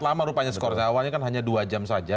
lama rupanya skornya awalnya kan hanya dua jam saja